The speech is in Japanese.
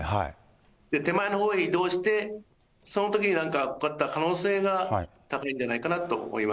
手前のほうへ移動して、そのときになんか落っこちた可能性が高いんではないかなと思いま